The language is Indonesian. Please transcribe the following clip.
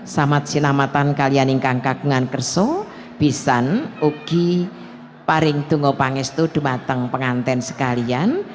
selamat sinamatan kalian ingkang kakungan kerso bisan uki paring tunggopangestu dumateng pengantin sekalian